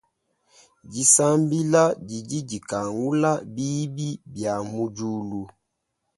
Disambila didi dikangula bibi bia mudiulu.